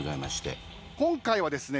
今回はですね